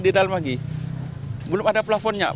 di dalam lagi belum ada plafonnya